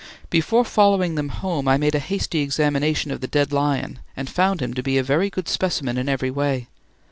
Before following them home I made a hasty examination of the dead lion and found him to be a very good specimen in every way.